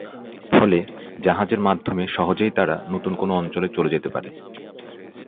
ফলে জাহাজের মাধ্যমে সহজেই তারা নতুন কোন অঞ্চলে চলে যেতে পারে।